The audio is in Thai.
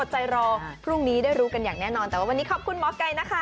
ที่ได้รู้กันอย่างแน่นอนแต่ว่าวันนี้ขอบคุณหมอไก่นะคะ